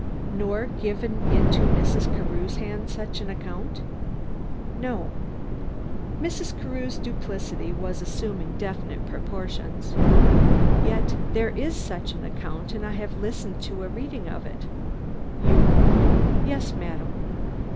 "Nor given into Mrs. Carew's hand such an account?" "No." Mrs. Carew's duplicity was assuming definite proportions. "Yet there is such an account and I have listened to a reading of it." "You?" "Yes, madam.